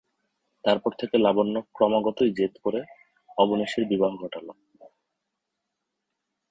তার পর থেকে লাবণ্য ক্রমাগতই জেদ করে করে অবনীশের বিবাহ ঘটালো।